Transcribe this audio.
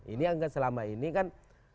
ini agak selama ini kan